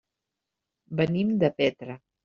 Venim de Petra.